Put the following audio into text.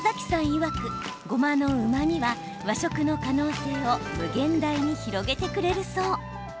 いわく、ごまのうまみは和食の可能性を無限大に広げてくれるそう。